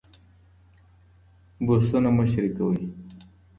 برسونه مه شریکوئ.